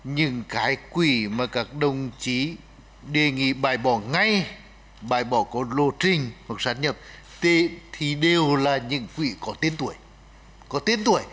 những cái quỹ mà các đồng chí đề nghị bãi bỏ ngay bãi bỏ có lộ trình hoặc sản nhập thì đều là những quỹ có tiên tuổi